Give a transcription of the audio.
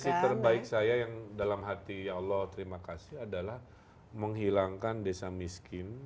sisi terbaik saya yang dalam hati allah terima kasih adalah menghilangkan desa miskin